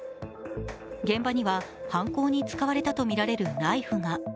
現場には犯行に使われたとみられるナイフが。